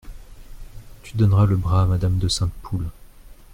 Tu donneras le bras à madame de Sainte-Poule.